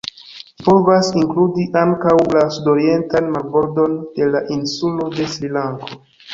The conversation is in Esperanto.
Ĝi povas inkludi ankaŭ la sudorientan marbordon de la insulo de Srilanko.